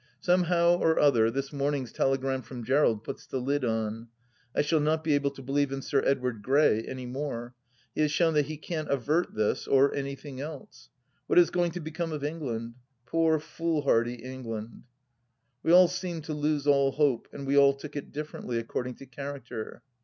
Somehow or other this morning's telegram from Gerald puts the lid on. I shall not be able to believe in Sir Edward Grey any more. He has shown that he can't avert this — or anything else. ... What is going to become of England ? Poor, fool hardy England 1 ... We all seemed to lose all hope, and we all took it differently, according to character.